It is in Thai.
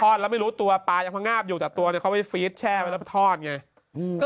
ทอดละไม่รู้ตัวปลายังพงาบอยู่แต่ตัวเดี๋ยวเขาไปฟีซแช่ไว้แล้วทอดอย่างนี้